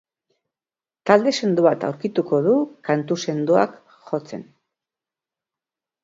Talde sendo bat aurkituko du, kantu sendoak jotzen.